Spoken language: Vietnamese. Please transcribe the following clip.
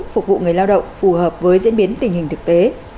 phục vụ người lao động phù hợp với diễn biến tình hình thực tế